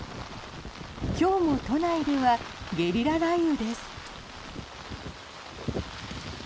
今日も都内ではゲリラ雷雨です。